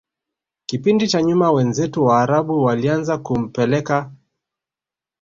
kipindi cha nyuma wenzetu waarabu walianza kumpeleka